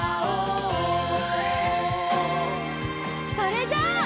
それじゃあ。